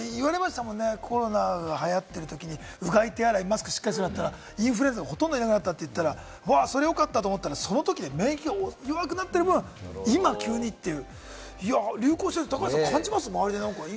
言われましたもんね、コロナが流行ってるときに、うがい、手洗い、マスクをしっかりするようになったら、インフルエンザがほとんどなくなった！って言ったら、それはよかったって思ったら、その時に免疫が弱くなってる分、今、急にという。